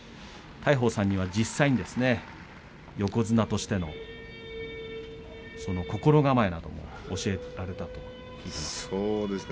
大鵬さんには、実際横綱としての心構えなど教えられたということですね。